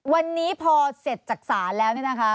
วันนี้พอเสร็จจากศาลแล้วเนี่ยนะคะ